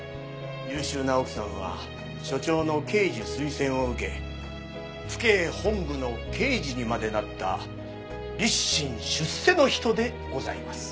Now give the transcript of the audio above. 優秀な奥さんは署長の刑事推薦を受け府警本部の刑事にまでなった立身出世の人でございます。